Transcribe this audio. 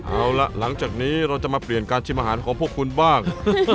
เอาล่ะหลังจากนี้เราจะมาเปลี่ยนการชิมอาหารของพวกคุณบ้าง